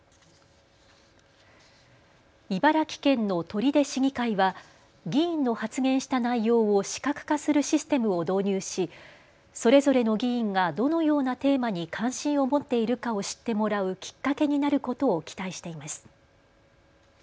茨城県の取手市議会は議員の発言した内容を視覚化するシステムを導入しそれぞれの議員がどのようなテーマに関心を持っているかを知ってもらうきっかけになることを期待しています。